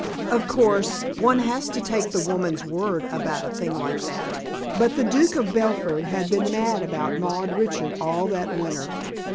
Of course, one has to take the woman's word about a thing like that, but the Duke of Belford had been mad about Maude Richard all that winter.